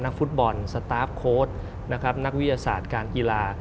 นักฟุตบอลสตาร์ฟโค้ดนักวิทยาศาสตร์การกีฬา